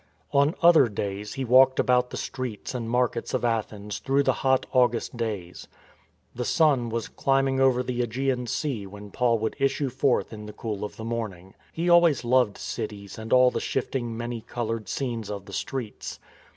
On other days he walked about the streets and mar kets of Athens through the hot August days. The sun was climbing over the ^gean Sea when Paul would issue forth in the cool of the morning. He always loved cities and all the shifting many coloured scenes of the streets.